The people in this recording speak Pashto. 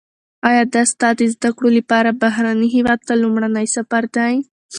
ایا دا ستا د زده کړو لپاره بهرني هیواد ته لومړنی سفر دی؟